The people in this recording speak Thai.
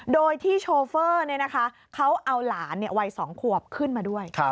โดยที่โชเฟอร์เขาเอาหลานวัย๒ขวบขึ้นมาด้วย